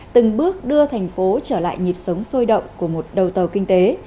từng bước đưa thành phố trở lại nhịp sống sôi động của một đầu tàu kinh tế